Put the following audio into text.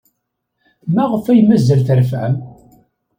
Maɣef ay mazal terfam?